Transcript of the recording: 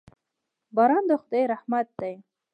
باران د خداي رحمت دي.